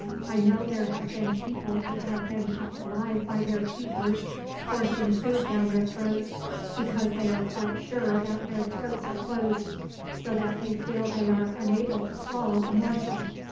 I know there have been people who have been kept alive by their keepers forcing food down their throats, because they are quite sure that their throats are closed, so that they feel they are unable to swallow a morsel.